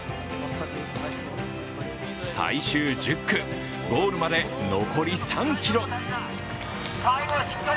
最終１０区、ゴールまで残り３ｋｍ。